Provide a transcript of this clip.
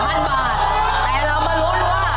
แต่เรามาล้วนว่าให้ถูกทุกข้อ